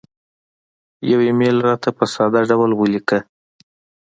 یو ایمیل راته په ساده ډول ولیکه